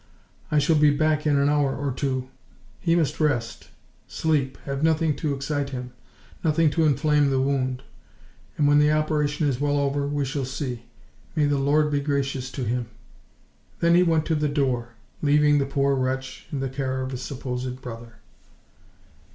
I shall be back in an hour or two; he must rest, sleep, have nothing to excite him, nothing to inflame the wound; and when the operation is well over, we shall see! May the Lord be gracious to him!" Then he went to the door, leaving the poor wretch to the care of his supposed brother.